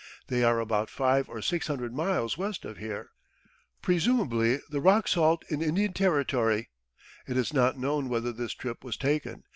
They are about five or six hundred miles west of here" presumably the rock salt in Indian Territory; it is not known whether this trip was taken.